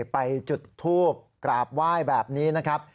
ไปจุดทูบกราบไหว้แบบนี้นะครับ